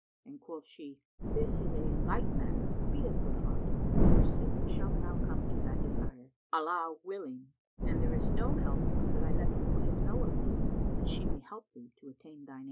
and quoth she, "This is a light matter; be of good heart, for soon shalt thou come to thy desire, Allah willing; and there is no help but that I let the Queen know of thee, that she may help thee to attain thine aim."